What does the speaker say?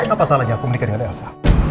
apa salahnya aku menikah dengan elsa